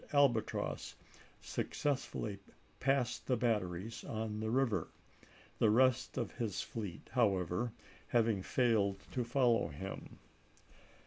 Albatross, successfully passed the batteries on the river, the rest of his fleet, however, having failed to follow him.